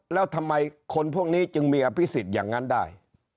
แล้วทำไมคนพวกนี้จึงมีอภิษฎอย่างนั้นได้